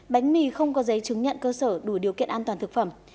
bánh mì không có giấy chứng nhận cơ sở đủ điều kiện an toàn thực phẩm